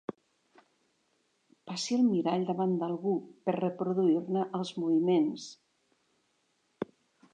Passi el mirall davant d'algú per reproduir-ne els moviments.